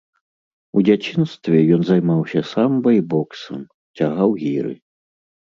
У дзяцінстве ён займаўся самба і боксам, цягаў гіры.